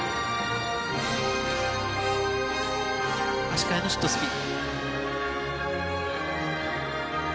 足換えのシットスピン。